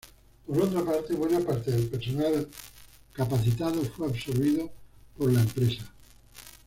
Por otra parte buena parte del personal capacitado fue absorbido por la empresa.